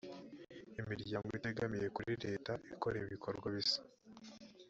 imiryango itegamiye kuri leta ikora ibikorwa bisa